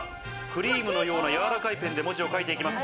クリームのような、やわらかいペンで文字を書いていきます。